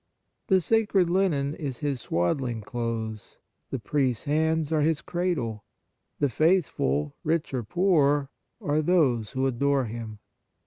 The sacred linen is His swaddling clothes, the priest s hands are His cradle, the faithful, rich or poor, are those who adore Him.